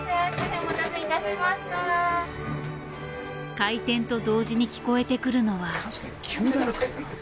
開店と同時に聞こえてくるのは。